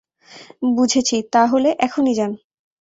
বুঝেছি, তা হলে এখনই যান!